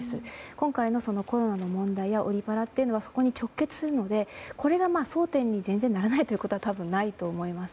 今回のコロナの問題やオリパラというのはそこに直結するのでこれが争点に全然ならないということはないと思います。